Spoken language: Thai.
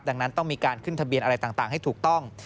ดังนั้นต้องมีการขึ้นทะเบียนอะไรต่างให้ถูกต้อง